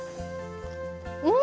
うん！